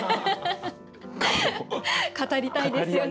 語りたいですよね。